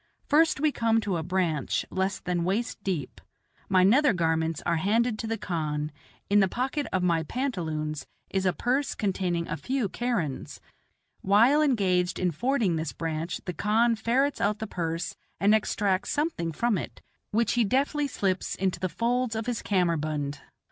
First we come to a branch less than waist deep. My nether garments are handed to the khan; in the pocket of my pantaloons is a purse containing a few kerans. While engaged in fording this branch the khan ferrets out the purse and extracts something from it, which he deftly slips into the folds of his kammerbund.